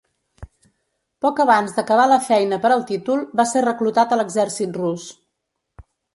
Poc abans d'acabar la feina per al títol, va ser reclutat a l'exèrcit rus.